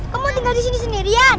kamu tinggal disini sendirian